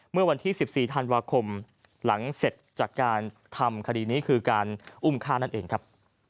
เมื่อวันที่๑๔ธันวาคมหลังเสร็จจากการทำคดีนี้คือการอุ้มฆ่านั่นเองครับ